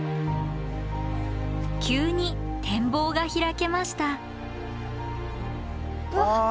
急に展望が開けましたわあや。